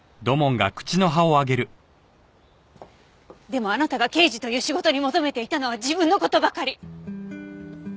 でもあなたが刑事という仕事に求めていたのは自分の事ばかり！